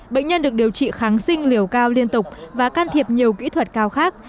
bệnh nhân được điều trị kháng sinh liều cao liên tục và can thiệp nhiều kỹ thuật cao khác